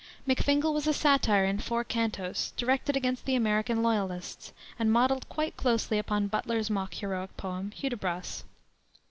McFingal was a satire in four cantos, directed against the American Loyalists, and modeled quite closely upon Butler's mock heroic poem, Hudibras.